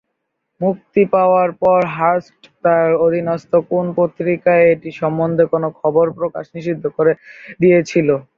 মুক্তি পাওয়ার পর হার্স্ট তার অধীনস্থ কোন পত্রিকায় এটি সম্বন্ধে কোন খবর প্রকাশ নিষিদ্ধ করে দিয়েছিল।